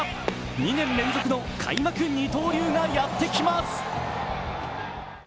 ２年連続の開幕二刀流がやってきます。